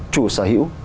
chủ sở hữu